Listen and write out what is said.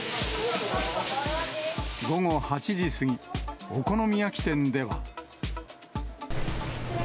午後８時過ぎ、お好み焼き店では。